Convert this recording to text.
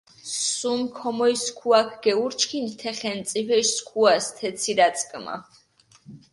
სუმი ქომოლ სქუაქ გეურჩქინდუ თე ხენწიფეში სქუას თე ცირაწკჷმა.